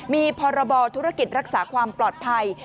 มีพรบธุรกิจรักษาความปลอดภัย